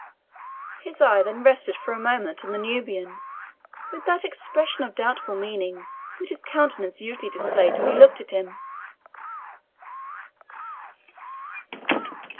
His eye then rested for a moment on the Nubian, with that expression of doubtful meaning which his countenance usually displayed when he looked at him.